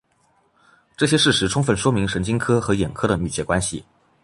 这些事实充分说明神经科和眼科的密切关系。